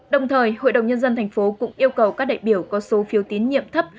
đồng thời hội đồng nhân dân thành phố cũng yêu cầu các đại biểu có số phiếu tín nhiệm thấp